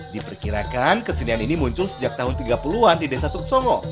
diperkirakan kesenian ini muncul sejak tahun tiga puluh an di desa tuksongo